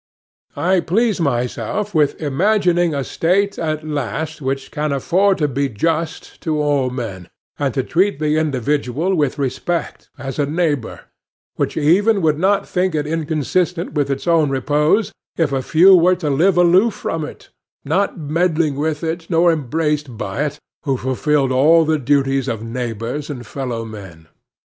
I please myself with imagining a State at last which can afford to be just to all men, and to treat the individual with respect as a neighbor; which even would not think it inconsistent with its own repose, if a few were to live aloof from it, not meddling with it, nor embraced by it, who fulfilled all the duties of neighbors and fellow men.